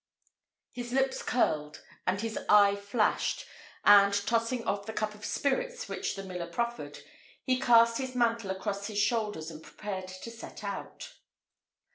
His lip curled, and his eye flashed, and, tossing off the cup of spirits which the miller proffered, he cast his mantle across his shoulders and prepared to set out.